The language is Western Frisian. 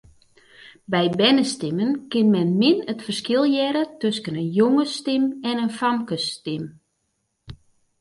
By bernestimmen kin men min it ferskil hearre tusken in jongesstim en in famkesstim.